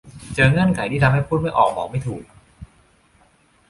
เจอเงื่อนไขที่ทำให้พูดไม่ออกบอกไม่ถูก